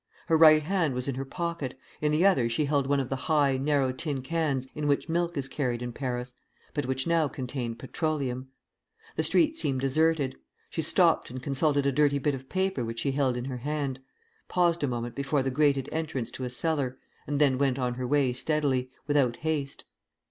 Her right hand was in her pocket; in the other she held one of the high, narrow tin cans in which milk is carried in Paris, but which now contained petroleum. The street seemed deserted. She stopped and consulted a dirty bit of paper which she held in her hand, paused a moment before the grated entrance to a cellar, and then went on her way steadily, without haste.